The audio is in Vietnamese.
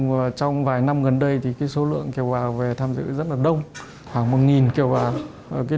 vài năm gần đây thì số lượng kiều bào về tham dự rất là đông khoảng một kiều bào